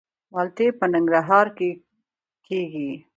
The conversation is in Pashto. مالټې په ننګرهار کې کیږي